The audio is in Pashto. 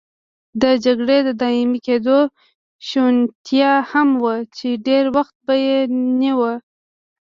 د جګړې د دایمي کېدو شونتیا هم وه چې ډېر وخت به یې نیوه.